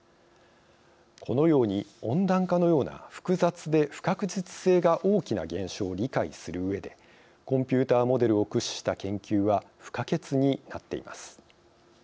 このように温暖化のような複雑で不確実性が大きな現象を理解するうえでコンピューターモデルを駆使した研究は不可欠になっています。